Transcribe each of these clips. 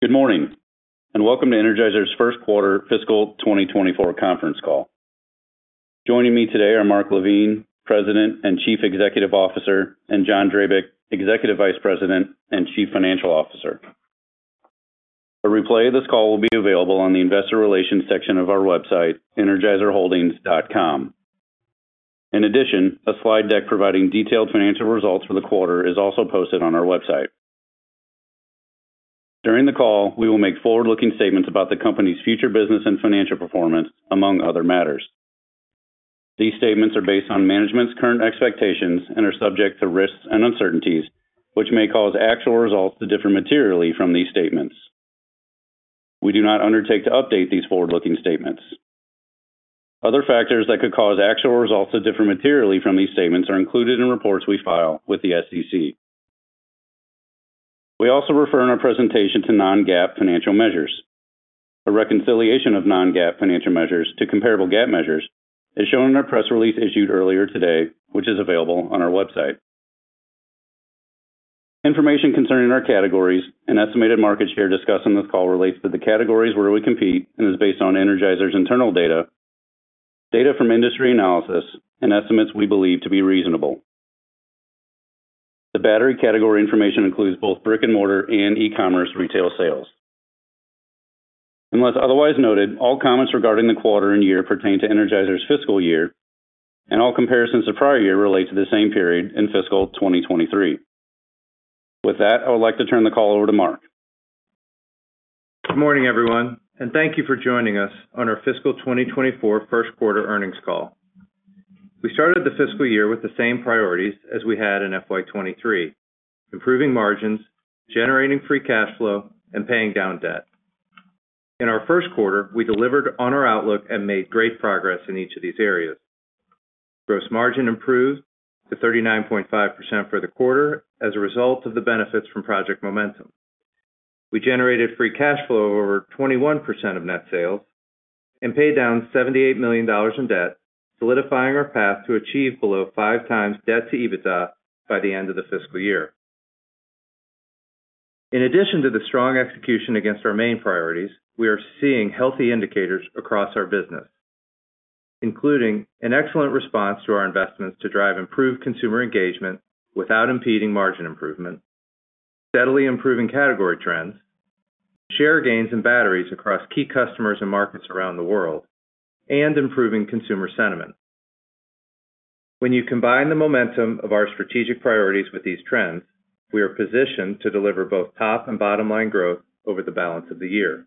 Good morning, and welcome to Energizer's First Quarter Fiscal 2024 Conference Call. Joining me today are Mark LaVigne, President and Chief Executive Officer, and John Drabik, Executive Vice President and Chief Financial Officer. A replay of this call will be available on the investor relations section of our website, energizerholdings.com. In addition, a slide deck providing detailed financial results for the quarter is also posted on our website. During the call, we will make forward-looking statements about the company's future business and financial performance, among other matters. These statements are based on management's current expectations and are subject to risks and uncertainties, which may cause actual results to differ materially from these statements. We do not undertake to update these forward-looking statements. Other factors that could cause actual results to differ materially from these statements are included in reports we file with the SEC. We also refer in our presentation to non-GAAP financial measures. A reconciliation of non-GAAP financial measures to comparable GAAP measures is shown in our press release issued earlier today, which is available on our website. Information concerning our categories and estimated market share discussed on this call relates to the categories where we compete and is based on Energizer's internal data, data from industry analysis, and estimates we believe to be reasonable. The battery category information includes both brick-and-mortar and e-commerce retail sales. Unless otherwise noted, all comments regarding the quarter and year pertain to Energizer's fiscal year, and all comparisons to prior year relate to the same period in fiscal 2023. With that, I would like to turn the call over to Mark. Good morning, everyone, and thank you for joining us on our fiscal 2024 first quarter earnings call. We started the fiscal year with the same priorities as we had in FY2023: improving margins, generating free cash flow, and paying down debt. In our first quarter, we delivered on our outlook and made great progress in each of these areas. Gross margin improved to 39.5% for the quarter as a result of the benefits from Project Momentum. We generated free cash flow over 21% of net sales and paid down $78 million in debt, solidifying our path to achieve below 5x debt to EBITDA by the end of the fiscal year. In addition to the strong execution against our main priorities, we are seeing healthy indicators across our business, including an excellent response to our investments to drive improved consumer engagement without impeding margin improvement, steadily improving category trends, share gains in batteries across key customers and markets around the world, and improving consumer sentiment. When you combine the momentum of our strategic priorities with these trends, we are positioned to deliver both top and bottom-line growth over the balance of the year.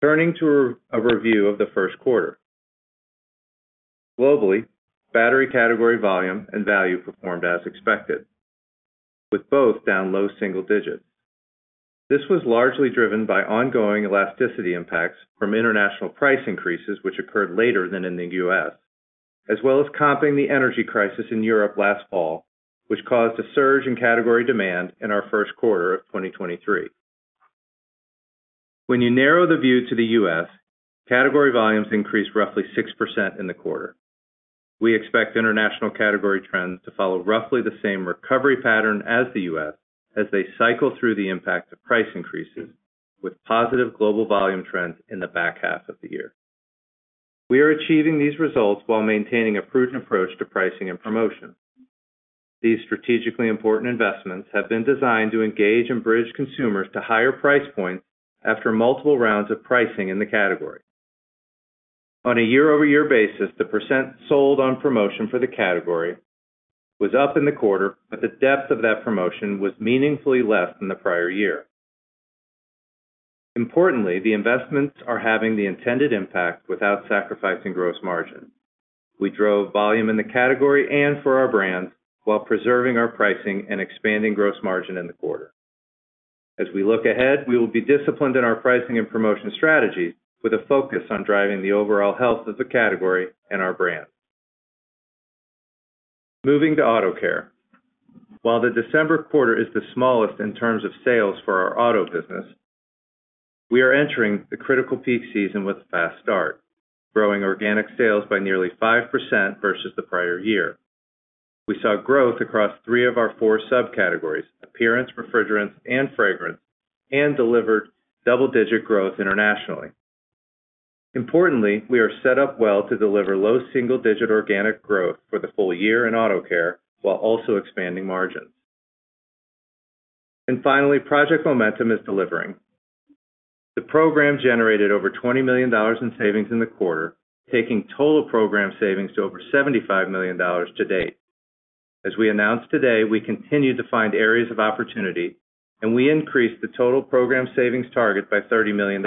Turning to a review of the first quarter. Globally, battery category volume and value performed as expected, with both down low single digits. This was largely driven by ongoing elasticity impacts from international price increases, which occurred later than in the U.S., as well as comping the energy crisis in Europe last fall, which caused a surge in category demand in our first quarter of 2023. When you narrow the view to the U.S., category volumes increased roughly 6% in the quarter. We expect international category trends to follow roughly the same recovery pattern as the U.S. as they cycle through the impact of price increases, with positive global volume trends in the back half of the year. We are achieving these results while maintaining a prudent approach to pricing and promotion. These strategically important investments have been designed to engage and bridge consumers to higher price points after multiple rounds of pricing in the category. On a year-over-year basis, the percent sold on promotion for the category was up in the quarter, but the depth of that promotion was meaningfully less than the prior year. Importantly, the investments are having the intended impact without sacrificing gross margin. We drove volume in the category and for our brands while preserving our pricing and expanding gross margin in the quarter. As we look ahead, we will be disciplined in our pricing and promotion strategies, with a focus on driving the overall health of the category and our brand. Moving to Auto Care. While the December quarter is the smallest in terms of sales for our auto business, we are entering the critical peak season with a fast start, growing organic sales by nearly 5% versus the prior year. We saw growth across three of our four subcategories: appearance, refrigerants, and fragrance, and delivered double-digit growth internationally. Importantly, we are set up well to deliver low single-digit organic growth for the full year in Auto Care while also expanding margins. Finally, Project Momentum is delivering. The program generated over $20 million in savings in the quarter, taking total program savings to over $75 million to date. As we announced today, we continue to find areas of opportunity, and we increased the total program savings target by $30 million,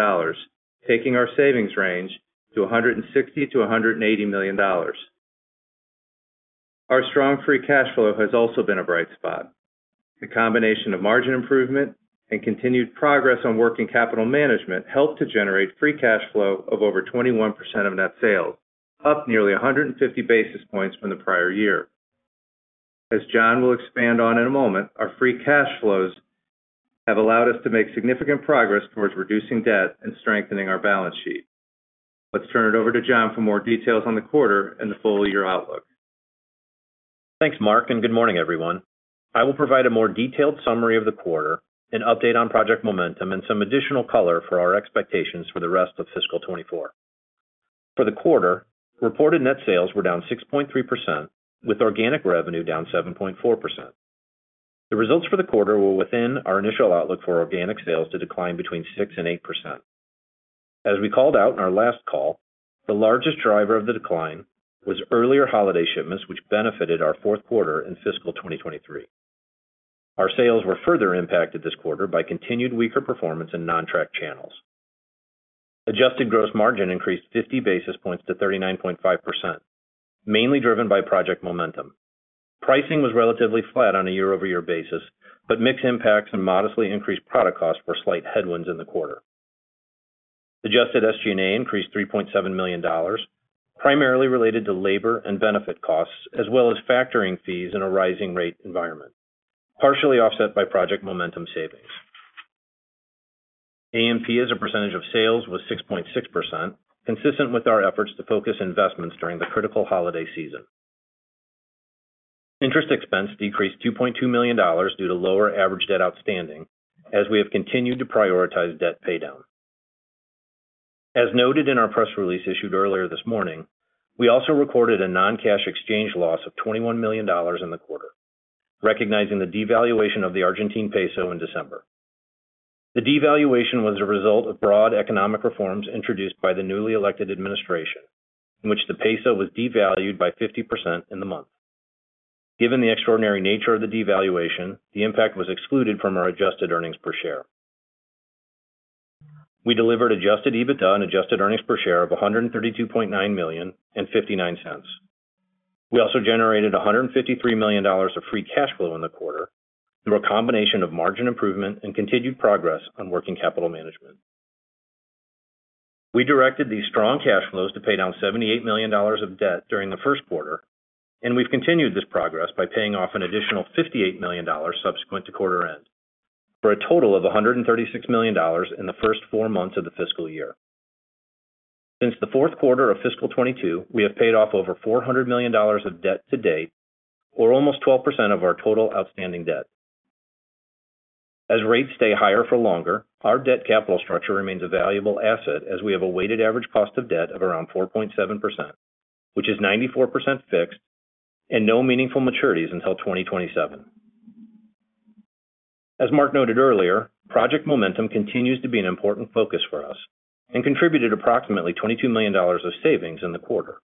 taking our savings range to $160 million-$180 million. Our strong free cash flow has also been a bright spot. The combination of margin improvement and continued progress on working capital management helped to generate free cash flow of over 21% of net sales, up nearly 150 basis points from the prior year. As John will expand on in a moment, our free cash flows have allowed us to make significant progress towards reducing debt and strengthening our balance sheet. Let's turn it over to John for more details on the quarter and the full year outlook.... Thanks, Mark, and good morning, everyone. I will provide a more detailed summary of the quarter, an update on Project Momentum, and some additional color for our expectations for the rest of fiscal 2024. For the quarter, reported net sales were down 6.3%, with organic revenue down 7.4%. The results for the quarter were within our initial outlook for organic sales to decline between 6% and 8%. As we called out in our last call, the largest driver of the decline was earlier holiday shipments, which benefited our fourth quarter in fiscal 2023. Our sales were further impacted this quarter by continued weaker performance in non-tracked channels. Adjusted gross margin increased 50 basis points to 39.5%, mainly driven by Project Momentum.Pricing was relatively flat on a year-over-year basis, but mix impacts and modestly increased product costs were slight headwinds in the quarter. Adjusted SG&A increased $3.7 million, primarily related to labor and benefit costs, as well as factoring fees in a rising rate environment, partially offset by Project Momentum savings. A&P as a percentage of sales was 6.6%, consistent with our efforts to focus investments during the critical holiday season. Interest expense decreased $2.2 million due to lower average debt outstanding, as we have continued to prioritize debt paydown. As noted in our press release issued earlier this morning, we also recorded a non-cash exchange loss of $21 million in the quarter, recognizing the devaluation of the Argentine peso in December.The devaluation was a result of broad economic reforms introduced by the newly elected administration, in which the peso was devalued by 50% in the month. Given the extraordinary nature of the devaluation, the impact was excluded from our Adjusted earnings per share. We delivered Adjusted EBITDA and Adjusted earnings per share of $132.9 million and $0.59 cents. We also generated $153 million of free cash flow in the quarter through a combination of margin improvement and continued progress on working capital management. We directed these strong cash flows to pay down $78 million of debt during the first quarter, and we've continued this progress by paying off an additional $58 million subsequent to quarter end, for a total of $136 million in the first four months of the fiscal year. Since the fourth quarter of fiscal 2022, we have paid off over $400 million of debt to date, or almost 12% of our total outstanding debt. As rates stay higher for longer, our debt capital structure remains a valuable asset, as we have a weighted average cost of debt of around 4.7%, which is 94% fixed and no meaningful maturities until 2027. As Mark noted earlier, Project Momentum continues to be an important focus for us and contributed approximately $22 million of savings in the quarter.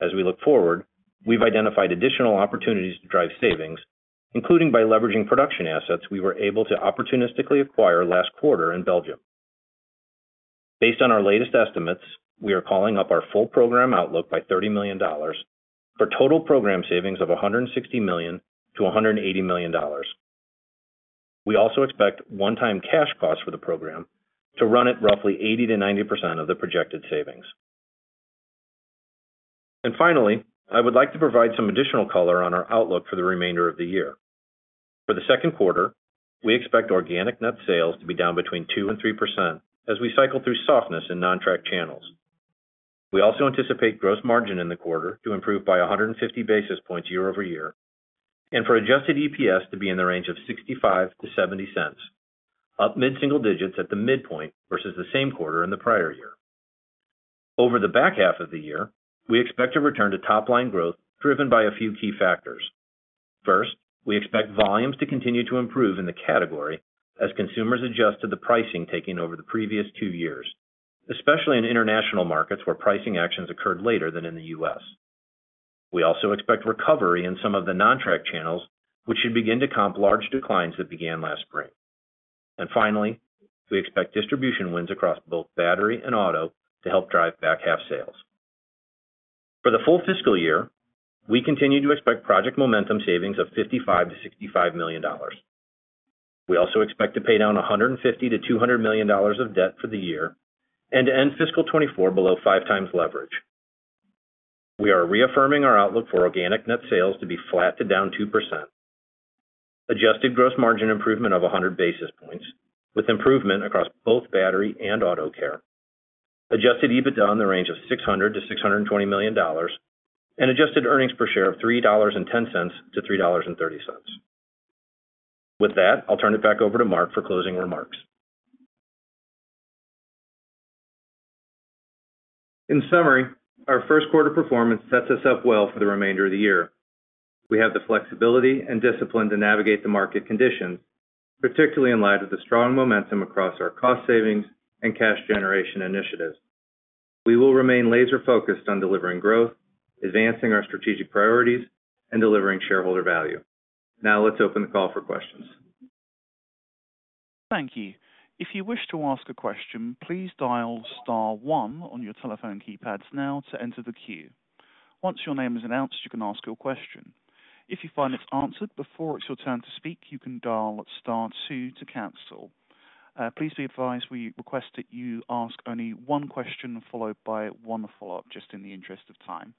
As we look forward, we've identified additional opportunities to drive savings, including by leveraging production assets we were able to opportunistically acquire last quarter in Belgium.Based on our latest estimates, we are calling up our full program outlook by $30 million, for total program savings of $160 million-$180 million. We also expect one-time cash costs for the program to run at roughly 80%-90% of the projected savings. Finally, I would like to provide some additional color on our outlook for the remainder of the year. For the second quarter, we expect organic net sales to be down between 2% and 3% as we cycle through softness in non-tracked channels. We also anticipate gross margin in the quarter to improve by 150 basis points year-over-year and for adjusted EPS to be in the range of $0.65-$0.70, up mid-single digits at the midpoint versus the same quarter in the prior year. Over the back half of the year, we expect to return to top-line growth, driven by a few key factors. First, we expect volumes to continue to improve in the category as consumers adjust to the pricing taking over the previous two years, especially in international markets where pricing actions occurred later than in the U.S. We also expect recovery in some of the non-tracked channels, which should begin to comp large declines that began last spring. And finally, we expect distribution wins across both battery and auto to help drive back half sales. For the full fiscal year, we continue to expect Project Momentum savings of $55 million-$65 million. We also expect to pay down $150 million-$200 million of debt for the year and to end fiscal 2024 below 5x leverage. We are reaffirming our outlook for organic net sales to be flat to down 2%. Adjusted gross margin improvement of 100 basis points, with improvement across both battery and Auto Care. Adjusted EBITDA in the range of $600 million-$620 million, and adjusted earnings per share of $3.10-$3.30. With that, I'll turn it back over to Mark for closing remarks. In summary, our first quarter performance sets us up well for the remainder of the year. We have the flexibility and discipline to navigate the market conditions, particularly in light of the strong momentum across our cost savings and cash generation initiatives. We will remain laser-focused on delivering growth, advancing our strategic priorities, and delivering shareholder value. Now, let's open the call for questions. Thank you. If you wish to ask a question, please dial star one on your telephone keypads now to enter the queue. Once your name is announced, you can ask your question. If you find it's answered before it's your turn to speak, you can dial star two to cancel. Please be advised, we request that you ask only one question followed by one follow-up, just in the interest of time.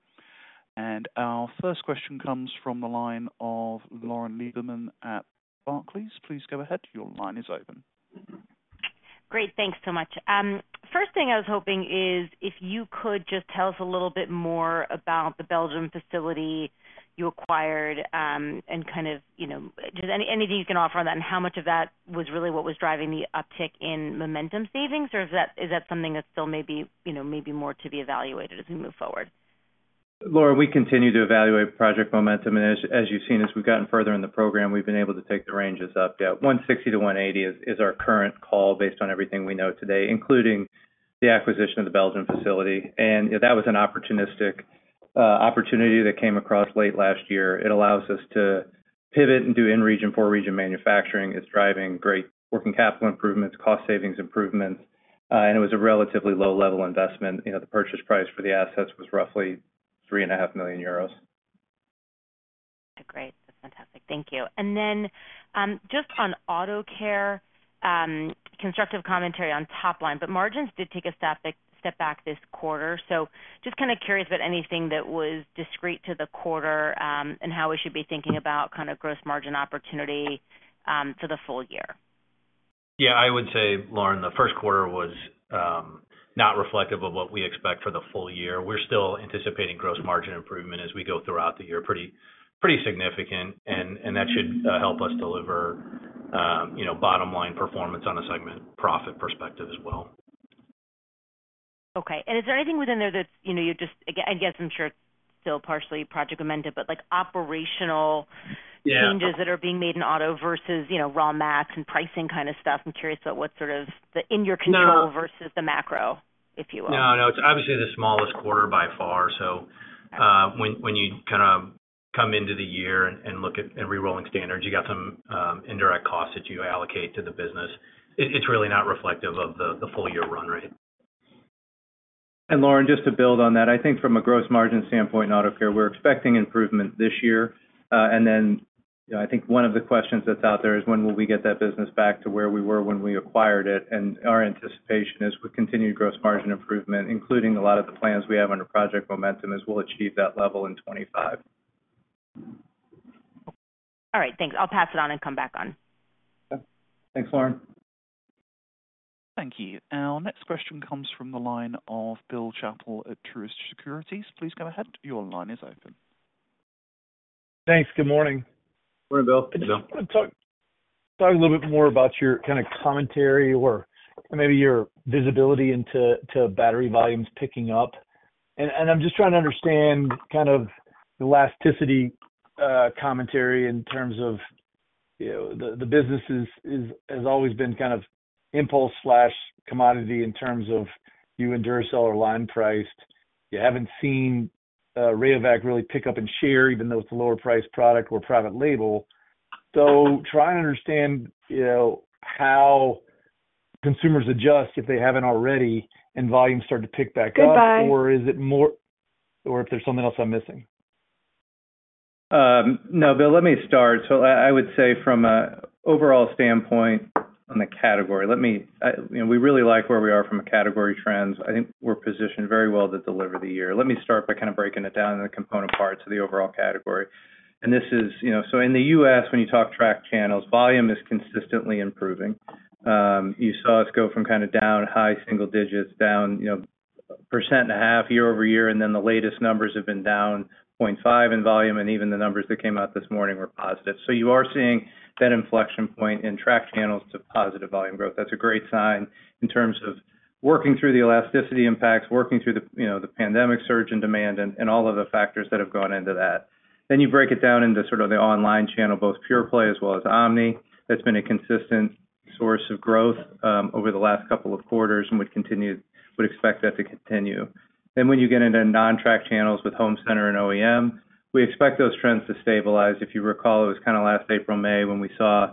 Our first question comes from the line of Lauren Lieberman at Barclays. Please go ahead. Your line is open. Great. Thanks so much. First thing I was hoping is, if you could just tell us a little bit more about the Belgium facility you acquired, and kind of, you know, just any, anything you can offer on that, and how much of that was really what was driving the uptick in momentum savings? Or is that, is that something that's still maybe, you know, maybe more to be evaluated as we move forward? Lauren, we continue to evaluate Project Momentum, and as you've seen, as we've gotten further in the program, we've been able to take the ranges up. Yeah, 160-180 is our current call based on everything we know today, including the acquisition of the Belgium facility. And that was an opportunistic opportunity that came across late last year. It allows us to pivot and do in-region, four-region manufacturing. It's driving great working capital improvements, cost savings improvements, and it was a relatively low-level investment. You know, the purchase price for the assets was roughly 3.5 million euros. Great. That's fantastic. Thank you. And then, just on Auto Care, constructive commentary on top line, but margins did take a step back, step back this quarter. So just kind of curious about anything that was discrete to the quarter, and how we should be thinking about kind of gross margin opportunity, for the full year. Yeah, I would say, Lauren, the first quarter was not reflective of what we expect for the full year. We're still anticipating gross margin improvement as we go throughout the year, pretty, pretty significant, and that should help us deliver, you know, bottom-line performance on a segment profit perspective as well. Okay. Is there anything within there that, you know, you're just—Again, I guess I'm sure it's still partially Project Momentum, but, like, operational- Yeah. Changes that are being made in auto versus, you know, raw mats and pricing kind of stuff. I'm curious about what sort of the in your control- No. -versus the macro, if you will. No, no, it's obviously the smallest quarter by far. So, when you kind of come into the year and look at every rolling standards, you got some indirect costs that you allocate to the business. It's really not reflective of the full year run rate. And Lauren, just to build on that, I think from a gross margin standpoint in Auto Care, we're expecting improvement this year. And then, you know, I think one of the questions that's out there is, when will we get that business back to where we were when we acquired it? And our anticipation is with continued gross margin improvement, including a lot of the plans we have under Project Momentum, we'll achieve that level in 2025. All right, thanks. I'll pass it on and come back on. Thanks, Lauren. Thank you. Our next question comes from the line of Bill Chappell at Truist Securities. Please go ahead. Your line is open. Thanks. Good morning. Good morning, Bill. Good morning. Talk a little bit more about your kind of commentary or maybe your visibility into battery volumes picking up. And I'm just trying to understand kind of the elasticity commentary in terms of, you know, the business has always been kind of impulse/commodity in terms of you and Duracell are line-priced. You haven't seen Rayovac really pick up in share, even though it's a lower-priced product or private label. So trying to understand, you know, how consumers adjust, if they haven't already, and volumes start to pick back up- Goodbye. or is it more... Or if there's something else I'm missing? No, Bill, let me start. So I would say from an overall standpoint on the category, let me—you know, we really like where we are from a category trends. I think we're positioned very well to deliver the year. Let me start by kind of breaking it down into the component parts of the overall category. This is, you know so in the U.S., when you talk tracked channels, volume is consistently improving. You saw us go from kind of down high single digits, down, you know, 1.5% year-over-year, and then the latest numbers have been down 0.5 in volume, and even the numbers that came out this morning were positive. So you are seeing that inflection point in tracked channels to positive volume growth. That's a great sign in terms of working through the elasticity impacts, working through the, you know, the pandemic surge in demand and all of the factors that have gone into that. Then you break it down into sort of the online channel, both pure play as well as omni. That's been a consistent source of growth over the last couple of quarters and would expect that to continue. Then when you get into non-tracked channels with home center and OEM, we expect those trends to stabilize. If you recall, it was kind of last April, May, when we saw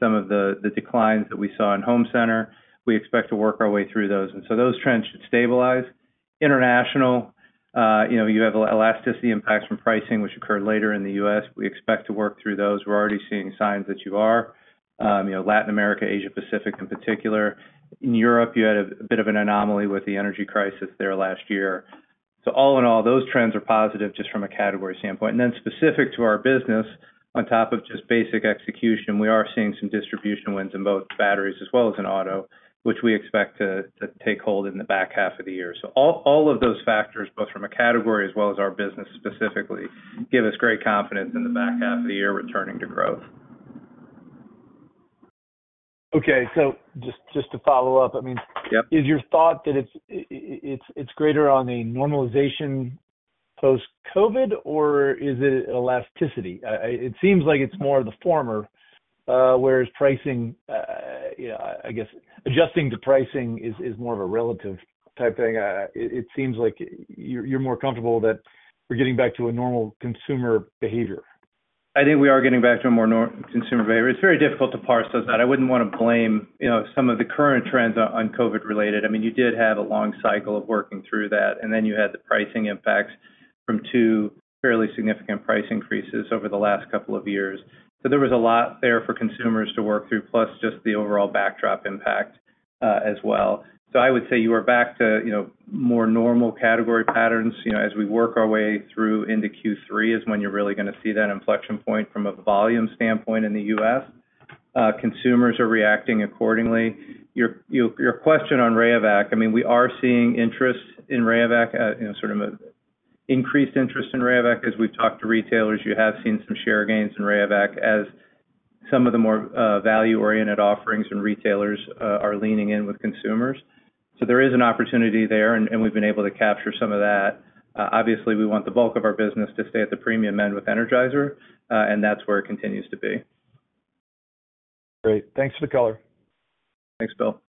some of the declines that we saw in home center. We expect to work our way through those, and so those trends should stabilize. International, you know, you have elasticity impacts from pricing, which occurred later in the U.S. We expect to work through those. We're already seeing signs that you are, you know, Latin America, Asia Pacific, in particular. In Europe, you had a bit of an anomaly with the energy crisis there last year. So all in all, those trends are positive just from a category standpoint. And then specific to our business, on top of just basic execution, we are seeing some distribution wins in both batteries as well as in auto, which we expect to take hold in the back half of the year. So all of those factors, both from a category as well as our business specifically, give us great confidence in the back half of the year returning to growth. Okay. So just to follow up, I mean. Yep. Is your thought that it's, it's greater on a normalization post-COVID, or is it elasticity? It seems like it's more of the former, whereas pricing, you know, I guess adjusting to pricing is more of a relative type thing. It seems like you're more comfortable that we're getting back to a normal consumer behavior. I think we are getting back to a more normal consumer behavior. It's very difficult to parse those out. I wouldn't want to blame, you know, some of the current trends on, on COVID-related. I mean, you did have a long cycle of working through that, and then you had the pricing impacts from two fairly significant price increases over the last couple of years. So there was a lot there for consumers to work through, plus just the overall backdrop impact, as well. So I would say you are back to, you know, more normal category patterns. You know, as we work our way through into Q3, is when you're really gonna see that inflection point from a volume standpoint in the U.S. Consumers are reacting accordingly. Your question on Rayovac, I mean, we are seeing interest in Rayovac, you know, sort of a increased interest in Rayovac. As we've talked to retailers, you have seen some share gains in Rayovac as some of the more value-oriented offerings and retailers are leaning in with consumers. So there is an opportunity there, and we've been able to capture some of that. Obviously, we want the bulk of our business to stay at the premium end with Energizer, and that's where it continues to be. Great. Thanks for the color. Thanks, Bill.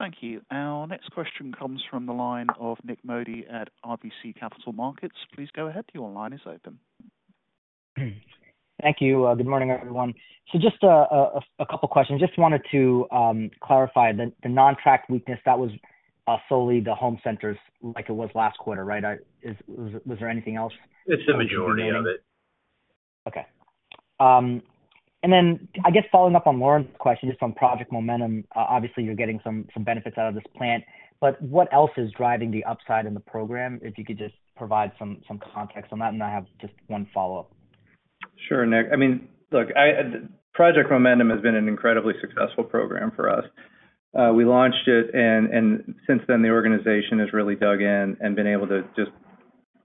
Thank you. Our next question comes from the line of Nik Modi at RBC Capital Markets. Please go ahead. Your line is open. Thank you. Good morning, everyone. So just a couple questions. Just wanted to clarify the non-tracked weakness, that was solely the home centers like it was last quarter, right? Was there anything else? It's the majority of it. Okay. And then I guess following up on Lauren's question, just on Project Momentum, obviously, you're getting some, some benefits out of this plant. But what else is driving the upside in the program? If you could just provide some, some context on that, and I have just one follow-up. Sure, Nick. I mean, look, Project Momentum has been an incredibly successful program for us. We launched it, and since then, the organization has really dug in and been able to just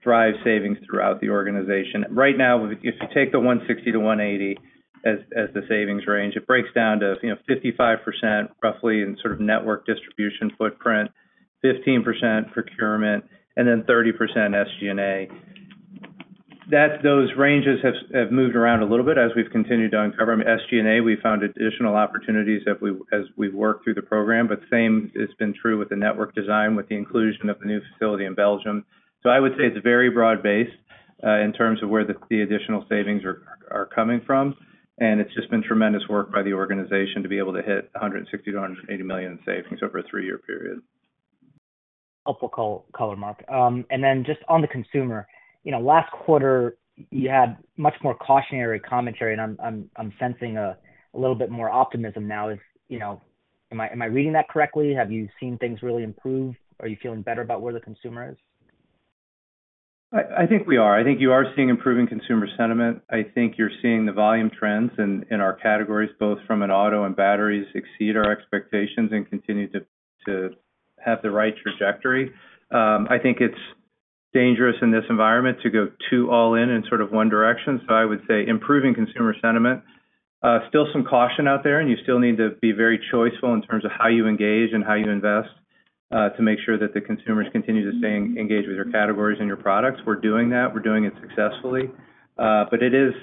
drive savings throughout the organization. Right now, if you take the $160 million-$180 million as the savings range, it breaks down to, you know, 55% roughly in sort of network distribution footprint, 15% procurement, and then 30% SG&A. Those ranges have moved around a little bit as we've continued to uncover. I mean, SG&A, we found additional opportunities as we've worked through the program, but the same has been true with the network design, with the inclusion of the new facility in Belgium.So I would say it's very broad-based in terms of where the additional savings are coming from, and it's just been tremendous work by the organization to be able to hit $160 million-$180 million in savings over a three-year period. Helpful color, Mark. And then just on the consumer, you know, last quarter, you had much more cautionary commentary, and I'm sensing a little bit more optimism now. You know, am I reading that correctly? Have you seen things really improve? Are you feeling better about where the consumer is? I think we are. I think you are seeing improving consumer sentiment. I think you're seeing the volume trends in our categories, both from an auto and batteries, exceed our expectations and continue to have the right trajectory. I think it's dangerous in this environment to go too all-in in sort of one direction. So I would say improving consumer sentiment. Still some caution out there, and you still need to be very choiceful in terms of how you engage and how you invest to make sure that the consumers continue to stay engaged with your categories and your products. We're doing that. We're doing it successfully. But it is,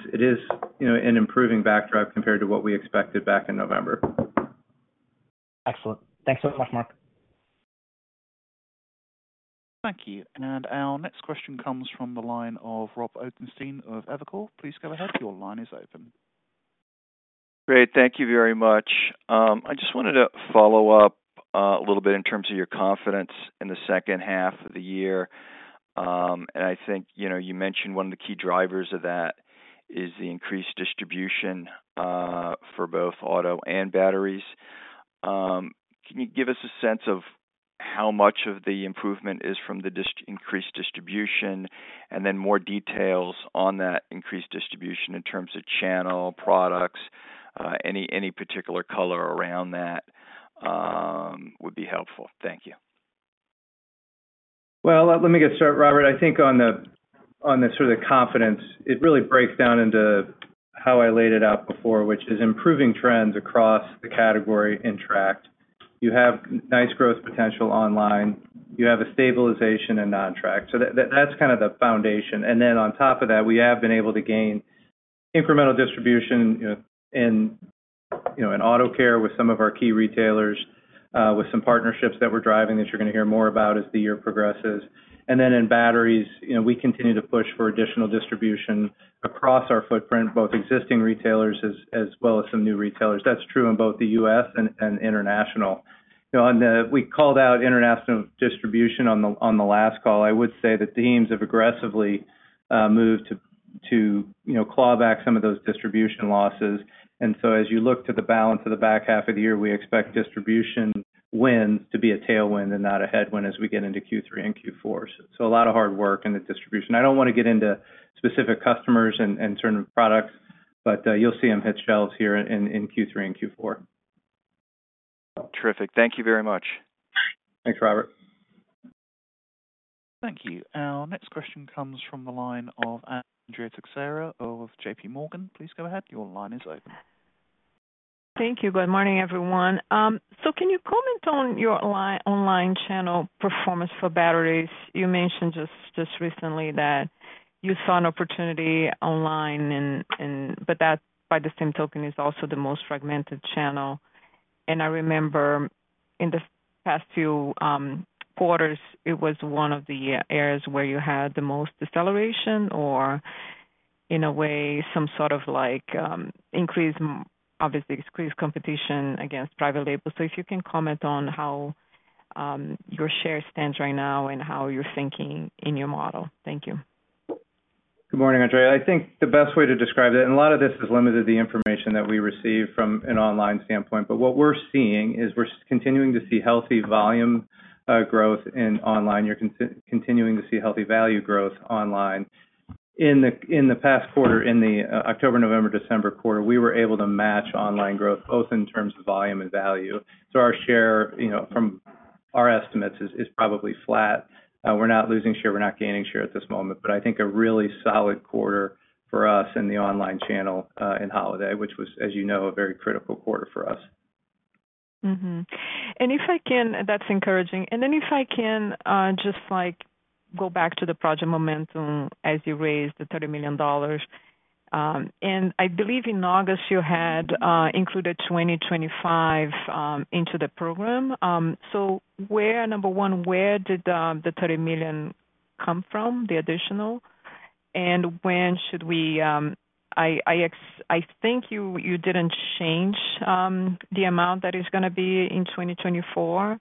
you know, an improving backdrop compared to what we expected back in November. Excellent. Thanks so much, Mark. Thank you, and our next question comes from the line of Robert Ottenstein of Evercore. Please go ahead. Your line is open. Great. Thank you very much. I just wanted to follow up, a little bit in terms of your confidence in the second half of the year. And I think, you know, you mentioned one of the key drivers of that is the increased distribution, for both auto and batteries. Can you give us a sense of how much of the improvement is from the increased distribution, and then more details on that increased distribution in terms of channel, products? Any particular color around that would be helpful. Thank you. Well, let me get started, Robert. I think on the sort of confidence, it really breaks down into how I laid it out before, which is improving trends across the category in tract. You have nice growth potential online. You have a stabilization and non-tract. So that's kind of the foundation. And then on top of that, we have been able to gain incremental distribution, you know, in Auto Care with some of our key retailers, with some partnerships that we're driving that you're gonna hear more about as the year progresses. And then in batteries, you know, we continue to push for additional distribution across our footprint, both existing retailers as well as some new retailers. That's true in both the U.S. and International. You know, on the, we called out international distribution on the last call.I would say the teams have aggressively moved to, you know, claw back some of those distribution losses. And so as you look to the balance of the back half of the year, we expect distribution wins to be a tailwind and not a headwind as we get into Q3 and Q4. So a lot of hard work in the distribution. I don't want to get into specific customers and certain products, but you'll see them hit shelves here in Q3 and Q4. Terrific. Thank you very much. Thanks, Robert. Thank you. Our next question comes from the line of Andrea Teixeira of JPMorgan. Please go ahead. Your line is open. Thank you. Good morning, everyone. So can you comment on your online channel performance for batteries? You mentioned just recently that you saw an opportunity online and... but that, by the same token, is also the most fragmented channel. And I remember in the past few quarters, it was one of the areas where you had the most deceleration or in a way, some sort of like increased, obviously increased competition against private label. So if you can comment on how your share stands right now and how you're thinking in your model? Thank you. Good morning, Andrea. I think the best way to describe it, and a lot of this is limited, the information that we receive from an online standpoint, but what we're seeing is we're continuing to see healthy volume growth in online. You're continuing to see healthy value growth online.... In the past quarter, in the October, November, December quarter, we were able to match online growth, both in terms of volume and value. So our share, you know, from our estimates, is probably flat. We're not losing share, we're not gaining share at this moment. But I think a really solid quarter for us in the online channel in holiday, which was, as you know, a very critical quarter for us. Mm-hmm. And if I can—That's encouraging. And then if I can, just, like, go back to the Project Momentum as you raised the $30 million. And I believe in August, you had included 2025 into the program. So where—Number one, where did the $30 million come from, the additional? And when should we... I think you didn't change the amount that is gonna be in 2024,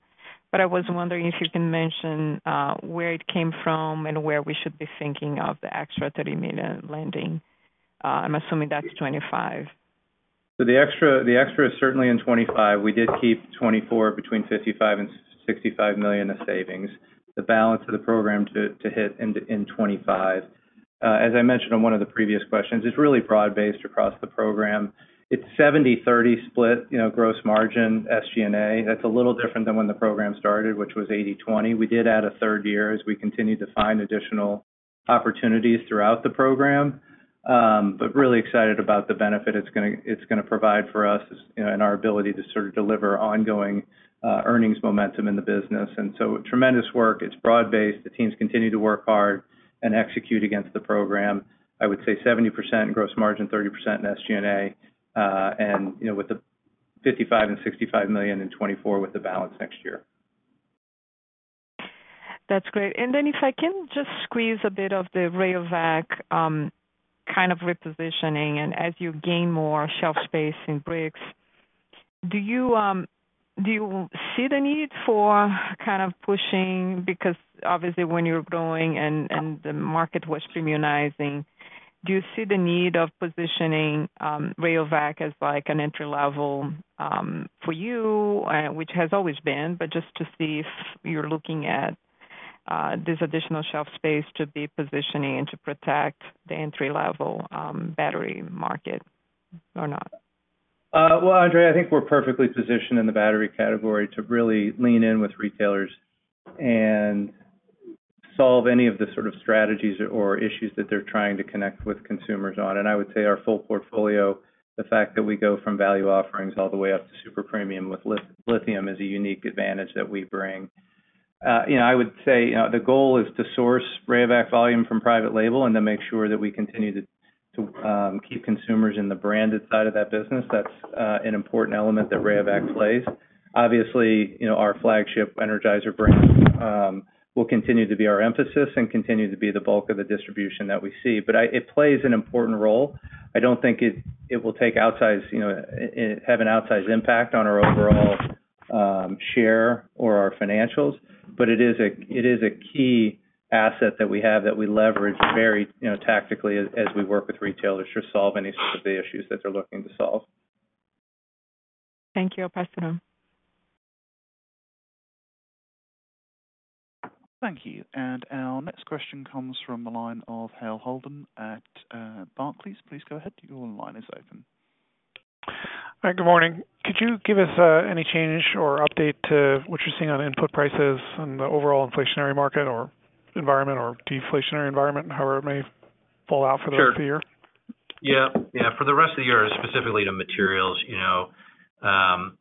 but I was wondering if you can mention where it came from and where we should be thinking of the extra $30 million landing. I'm assuming that's 2025. So the extra is certainly in 2025. We did keep 2024 between $55 million-$65 million of savings, the balance of the program to hit in 2025. As I mentioned on one of the previous questions, it's really broad-based across the program. It's 70/30 split, you know, gross margin, SG&A. That's a little different than when the program started, which was 80/20. We did add a third year as we continued to find additional opportunities throughout the program. But really excited about the benefit it's gonna provide for us, you know, and our ability to sort of deliver ongoing earnings momentum in the business. And so tremendous work. It's broad-based. The teams continue to work hard and execute against the program.I would say 70% gross margin, 30% in SG&A, and, you know, with the $55 million-$65 million in 2024, with the balance next year. That's great. And then if I can just squeeze a bit of the Rayovac kind of repositioning, and as you gain more shelf space in bricks, do you see the need for kind of pushing? Because obviously when you're growing and the market was immunizing, do you see the need of positioning Rayovac as, like, an entry-level for you? Which has always been, but just to see if you're looking at this additional shelf space to be positioning and to protect the entry-level battery market or not. Well, Andrea, I think we're perfectly positioned in the battery category to really lean in with retailers and solve any of the sort of strategies or issues that they're trying to connect with consumers on. And I would say our full portfolio, the fact that we go from value offerings all the way up to super premium with lithium, is a unique advantage that we bring. You know, the goal is to source Rayovac volume from private label and to make sure that we continue to keep consumers in the branded side of that business. That's an important element that Rayovac plays. Obviously, you know, our flagship Energizer brand will continue to be our emphasis and continue to be the bulk of the distribution that we see. But it plays an important role.I don't think it will take outsized, you know, have an outsized impact on our overall share or our financials, but it is a key asset that we have that we leverage very, you know, tactically as we work with retailers to solve any sort of the issues that they're looking to solve. Thank you. I'll pass it on. Thank you. Our next question comes from the line of Hale Holden at Barclays. Please go ahead. Your line is open. Hi, good morning. Could you give us any change or update to what you're seeing on input prices and the overall inflationary market or environment, or deflationary environment, however it may fall out for the rest of the year? Sure. Yeah. Yeah, for the rest of the year, specifically to materials, you know,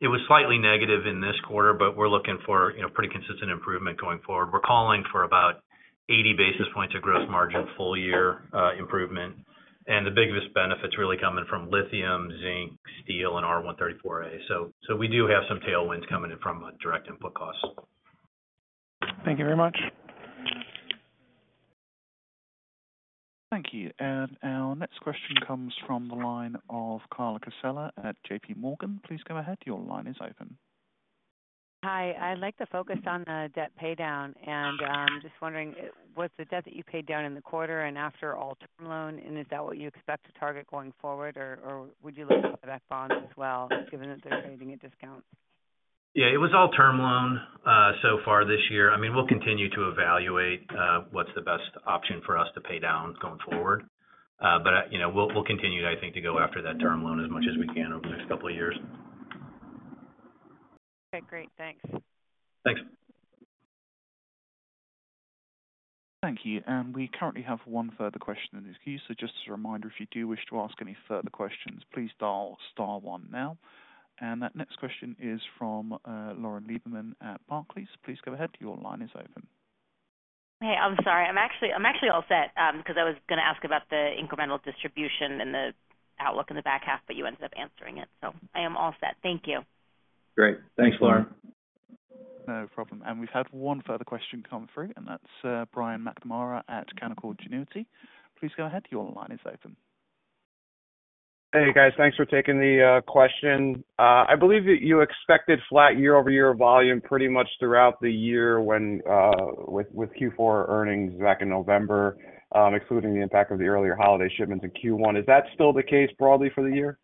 it was slightly negative in this quarter, but we're looking for, you know, pretty consistent improvement going forward. We're calling for about 80 basis points of gross margin, full-year, improvement, and the biggest benefits really coming from lithium, zinc, steel, and R134a. So, we do have some tailwinds coming in from direct input costs. Thank you very much. Thank you. And our next question comes from the line of Carla Casella at JPMorgan. Please go ahead. Your line is open. Hi. I'd like to focus on the debt paydown, and just wondering, was the debt that you paid down in the quarter and after all term loan, and is that what you expect to target going forward? Or would you look at the back bonds as well, given that they're trading at discount? Yeah, it was all term loan so far this year. I mean, we'll continue to evaluate what's the best option for us to pay down going forward. But, you know, we'll continue to, I think, go after that term loan as much as we can over the next couple of years. Okay, great. Thanks. Thanks. Thank you. We currently have one further question in the queue. Just as a reminder, if you do wish to ask any further questions, please dial star one now. That next question is from Lauren Lieberman at Barclays. Please go ahead. Your line is open. Hey, I'm sorry. I'm actually, I'm actually all set, because I was gonna ask about the incremental distribution and the outlook in the back half, but you ended up answering it, so I am all set. Thank you. Great. Thanks, Lauren. No problem. And we've had one further question come through, and that's, Brian McNamara at Canaccord Genuity. Please go ahead. Your line is open. Hey, guys. Thanks for taking the question. I believe that you expected flat year-over-year volume pretty much throughout the year when with Q4 earnings back in November, excluding the impact of the earlier holiday shipments in Q1. Is that still the case broadly for the year?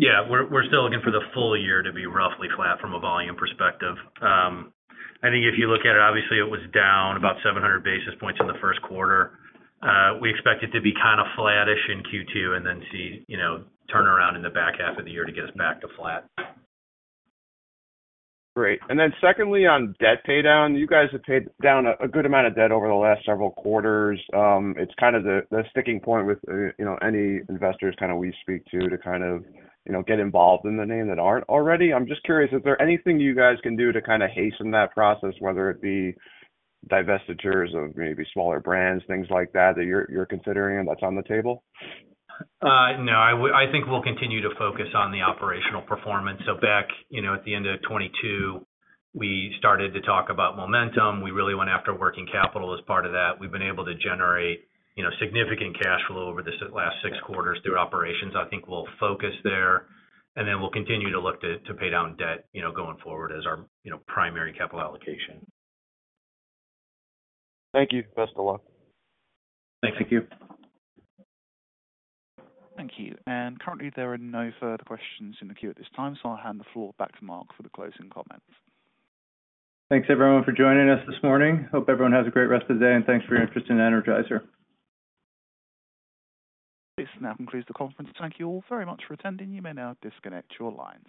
Yeah, we're still looking for the full year to be roughly flat from a volume perspective. I think if you look at it, obviously, it was down about 700 basis points in the first quarter. We expect it to be kind of flattish in Q2, and then see, you know, turnaround in the back half of the year to get us back to flat. Great. And then secondly, on debt paydown, you guys have paid down a good amount of debt over the last several quarters. It's kind of the sticking point with, you know, any investors kind of we speak to, to kind of, you know, get involved in the name that aren't already. I'm just curious, is there anything you guys can do to kind of hasten that process, whether it be divestitures of maybe smaller brands, things like that, that you're considering and that's on the table? No. I think we'll continue to focus on the operational performance. So back, you know, at the end of 2022, we started to talk about momentum. We really went after working capital as part of that. We've been able to generate, you know, significant cash flow over this last six quarters through operations. I think we'll focus there, and then we'll continue to look to pay down debt, you know, going forward as our, you know, primary capital allocation. Thank you. Best of luck. Thanks. Thank you. Thank you. Currently, there are no further questions in the queue at this time, so I'll hand the floor back to Mark for the closing comments. Thanks, everyone, for joining us this morning. Hope everyone has a great rest of the day, and thanks for your interest in Energizer. This now concludes the conference. Thank you all very much for attending. You may now disconnect your lines.